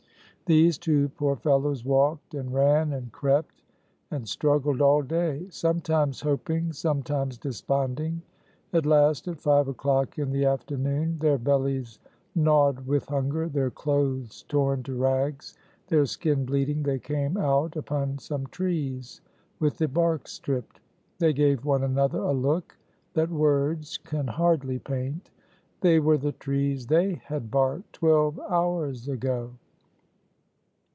These two poor fellows walked and ran and crept and struggled all day, sometimes hoping, sometimes desponding. At last, at five o'clock in the afternoon, their bellies gnawed with hunger, their clothes torn to rags, their skin bleeding, they came out upon some trees with the bark stripped. They gave one another a look that words can hardly paint. They were the trees they had barked twelve hours ago!